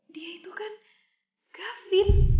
dia itu kan gavin